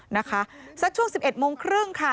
นะคะสักช่วง๑๑โมงครึ่งค่ะ